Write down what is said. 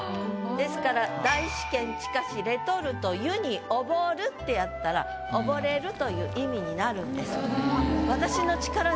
ですから「大試験近しレトルト湯に溺る」ってやったら溺れるという意味になるんです。